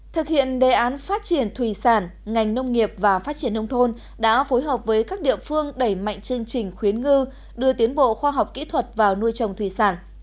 thực hiện đề án phát triển thủy sản ngành nông nghiệp và phát triển nông thôn đã phối hợp với các địa phương đẩy mạnh chương trình khuyến ngư đưa tiến bộ khoa học kỹ thuật vào nuôi trồng thủy sản